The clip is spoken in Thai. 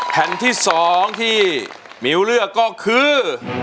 แล้วที่สองที่มิ้วเลือกก็คือ